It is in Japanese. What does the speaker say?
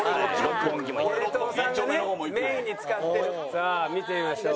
さあ見てみましょう。